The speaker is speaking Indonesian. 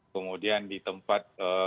kemudian di tempat